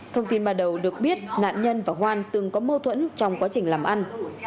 thông tin ban đầu được biết nạn nhân và hoan từng có mâu thuẫn trong quá trình làm ăn